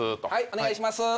お願いします。